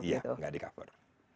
iya tidak di cover